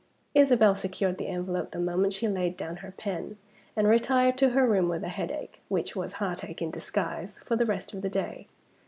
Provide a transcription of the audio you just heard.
Isabel secured the envelope the moment she laid down her pen, and retired to her room with a headache (which was heartache in disguise) for the rest of the day.